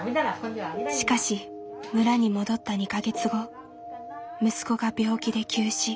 しかし村に戻った２か月後息子が病気で急死。